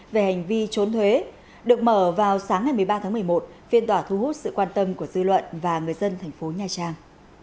về hành vi trốn thuế được mở vào sáng ngày một mươi ba tháng một mươi một phiên tòa thu hút sự quan tâm của dư luận và người dân thành phố nha trang